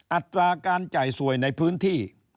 อัตราการจ่ายสวยในพื้นที่